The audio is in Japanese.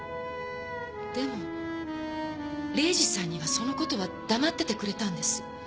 でも礼司さんにはそのことは黙っていてくれたんです。